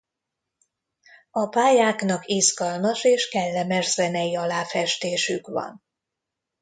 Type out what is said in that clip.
A pályáknak izgalmas és kellemes zenei aláfestésük van.